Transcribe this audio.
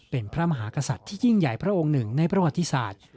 เป็นพระมหากษัตริย์ที่ยิ่งใหญ่พระองค์หนึ่งในประวัติศาสตร์